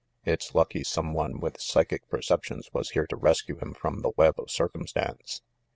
It's lucky some one with psychic perceptions was here to rescue him from the web of circumstance."